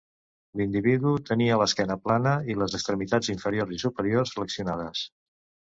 L’individu tenia l’esquena plana i les extremitats inferiors i superiors flexionades.